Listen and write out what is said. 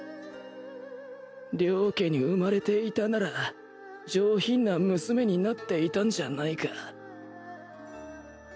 良家に生まれていたなら上品な娘になっていたんじゃないか